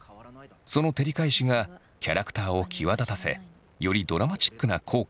その照り返しがキャラクターを際立たせよりドラマチックな効果を生んでいる。